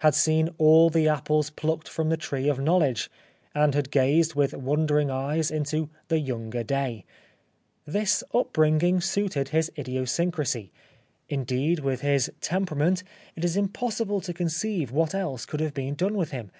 had seen all the apples plucked from the tree of knowledge, and had gazed with wondering eyes into * the younger day.' This upbringing suited his idiosyncrasy ; indeed, with his tempera ment it is impossible to conceive what else could 91 The Life of Oscar Wilde have been done with him.